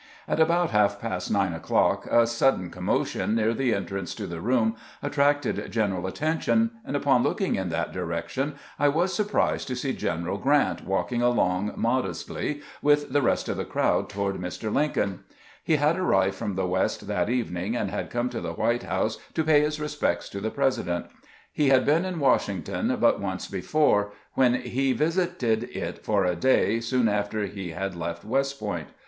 At about half past nine o'clock a sudden commotion near the entrance to the room attracted general atten tion, and, upon looking in that direction, I was sur prised to see Greneral Grant walking along modestly with the rest of the crowd toward Mr. Lincoln. He had arrived from the "West that evening, and had come to the White House to pay his respects to the President. He had been in Washington but once before, when he visited it for a day soon after he had left West Point.